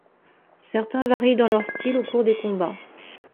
Certains varient dans leur style au cours des combats.